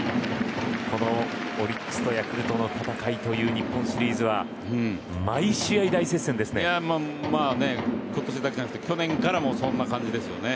このオリックスとヤクルトの戦いという日本シリーズは今年だけでなくて去年からそんな感じですよね。